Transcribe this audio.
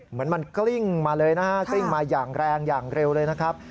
เหมือนมันกลิ้งมาเลยนะฮะกลิ้งมาอย่างแรงอย่างเร็วเลยนะครับ